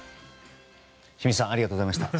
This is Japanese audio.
清水さんありがとうございました。